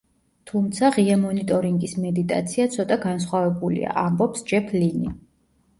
თუმცა, ღია მონიტორინგის მედიტაცია ცოტა განსხვავებულია“ – ამბობს ჯეფ ლინი.